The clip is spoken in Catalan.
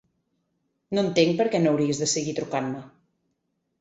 No entenc perquè no hauries de seguir trucant-me.